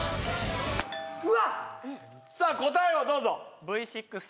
・うわっさあ答えをどうぞ！